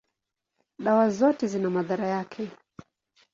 dawa zote zina madhara yake.